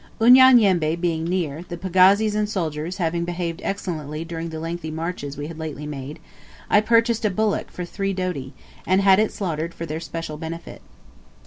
Unyanyembe being near, the pagazis and soldiers having behaved excellently during the lengthy marches we had lately made, I purchased a bullock for three doti, and had it slaughtered for their special benefit.